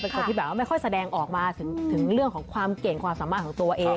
คนที่แบบว่าไม่ค่อยแสดงออกมาถึงเรื่องของความเก่งความสามารถของตัวเอง